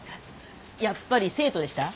やっぱり生徒でした？